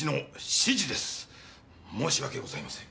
申し訳ございません。